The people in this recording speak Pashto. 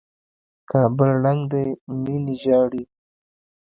کابل ړنګ دى ميني ژاړي